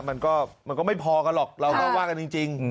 มันก็ไม่พอกันหรอกเราก็ว่ากันจริง